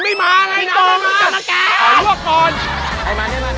มันนำไม่มา